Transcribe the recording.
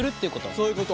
そういうこと。